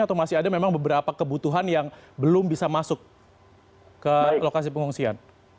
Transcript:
atau masih ada memang beberapa kebutuhan yang belum bisa masuk ke lokasi pengungsian